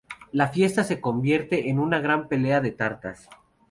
La fiesta se convierte en una gran pelea de tartas.